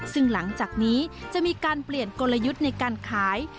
ซึ่งหลังจากนี้จะมีการเปลี่ยนกลยุทธ์ในการขาย